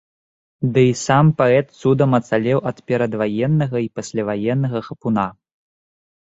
Дый сам паэт цудам ацалеў ад перадваеннага й пасляваеннага хапуна.